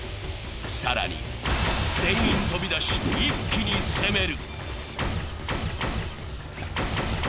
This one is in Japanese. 更に、全員飛び出し、一気に攻める！